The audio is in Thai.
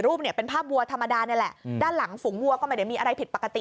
เนี่ยเป็นภาพวัวธรรมดานี่แหละด้านหลังฝูงวัวก็ไม่ได้มีอะไรผิดปกติ